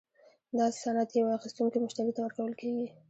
دا سند یو اخیستونکي مشتري ته ورکول کیږي.